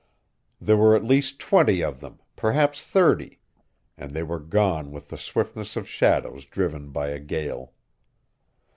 There were at least twenty of them, perhaps thirty, and they were gone with the swiftness of shadows driven by a gale.